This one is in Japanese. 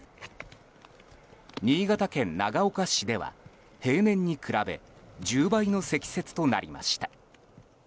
新潟県長岡市では平年に比べ１０倍の積雪となりました。